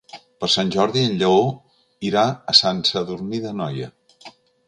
Per Sant Jordi en Lleó irà a Sant Sadurní d'Anoia.